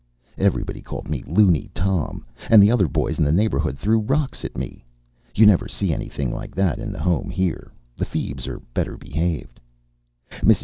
Everybody called me Looney Tom. And the other boys in the neighbourhood threw rocks at me. You never see anything like that in the Home here. The feebs are better behaved. Mrs.